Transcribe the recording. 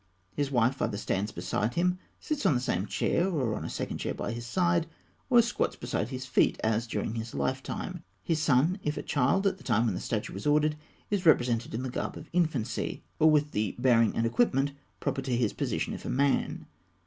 His wife either stands beside him, sits on the same chair or on a second chair by his side, or squats beside his feet as during his lifetime. His son, if a child at the time when the statue was ordered, is represented in the garb of infancy; or with the bearing and equipment proper to his position, if a man.